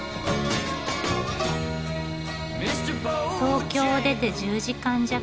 東京を出て１０時間弱。